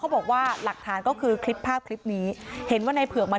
บอกว่าหลักฐานก็คือคลิปภาพคลิปนี้เห็นว่าในเผือกมา